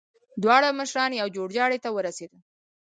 دواړه مشران يوه جوړجاړي ته ورسېدل.